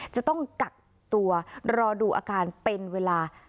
จะต้องกักตัวรอดูอาการเป็นเวลา